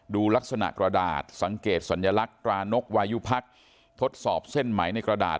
ดูลักษณะกระดาษสังเกตสัญลักษณ์ตรานกวายุพักทดสอบเส้นไหมในกระดาษ